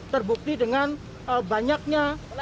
terbukti dengan banyaknya